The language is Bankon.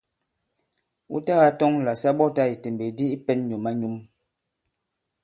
Wu tagā tɔŋ là sa ɓɔtā ìtèmbèk di i pɛ̄n nyǔm-a-nyum.